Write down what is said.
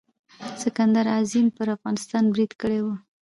سکندر اعظم پر افغانستان برید کړی و.